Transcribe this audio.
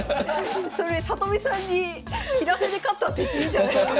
里見さんに平手で勝ったって言っていいんじゃないですか？